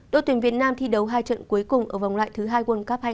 đội tuyển việt nam thi đấu hai trận cuối cùng ở vòng loại thứ hai world cup hai nghìn hai